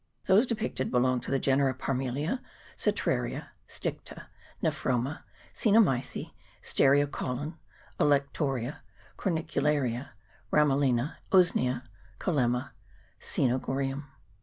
Those described belong to the genera Parmelia, Cetraria, Sticta, Nephroma, Cenomyce, Stereo caulon, Alectoria, Cornicularia, Ramalina, Usnea, Collema, Csenogorium.